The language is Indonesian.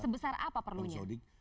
sebesar apa perlunya